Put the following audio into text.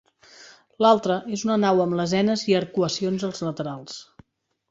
L'altra és una nau amb lesenes i arcuacions als laterals.